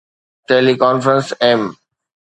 tele conference M